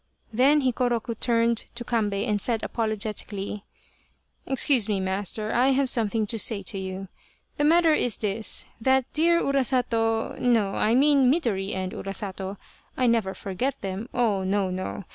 Then Hikoroku turned to Kambei and said apolo getically. " Excuse me, master, I have something to say to you ; the matter is this that dear Urasato no, I mean Midori and Urasato I never forget them, oh, no, no